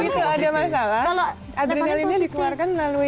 begitu ada masalah adrenalinnya dikeluarkan melalui